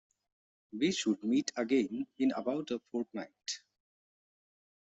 We should meet again in about a fortnight